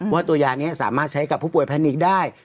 ว่าตัวยานี้สามารถใช้กับผู้ป่วยแพนิกได้